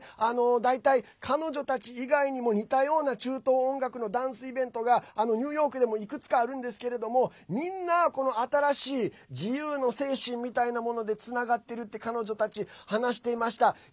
大体、彼女たち以外にも似たような中東音楽のダンスイベントがニューヨークでもいくつかあるんですけどみんな新しい自由の精神みたいなものでつながっているって彼女たち話していました。